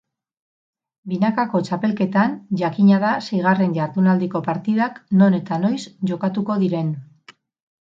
Binakako txapelketan jakina da seigarren jardunaldiko partidak non eta noiz jokatuko diren.